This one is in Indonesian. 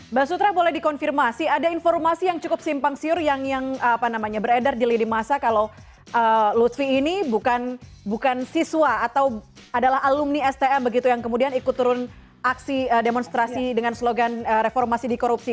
mbak sutra boleh dikonfirmasi ada informasi yang cukup simpang siur yang beredar di lidi masa kalau lutfi ini bukan siswa atau adalah alumni stm begitu yang kemudian ikut turun aksi demonstrasi dengan slogan reformasi di korupsi